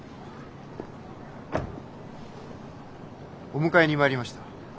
お迎えに参りました。